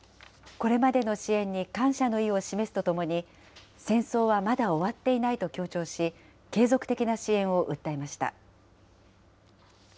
これまでの支援に感謝の意を示すとともに、戦争はまだ終わっていないと強調し、継続的な支援を訴えました。